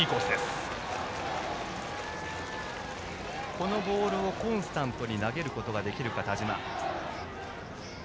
このボールをコンスタントに投げることができるか田嶋。